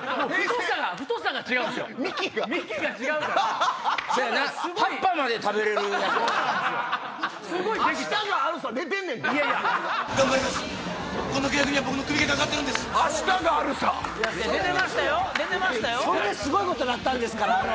そんですごいことになったんですから。